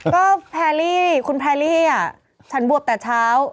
ก็แผนวี้คุณแพลรี่อ่ะฉันบวบแต่เช้า